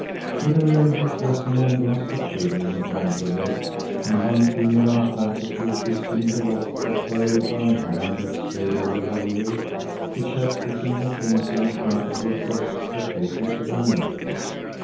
With her elbows resting on the rustic table in front of her, and one finger unconsciously twisting the lock of curly brown hair that strayed over her ear, she sat pushing her pencil rapidly across the pages of her note book.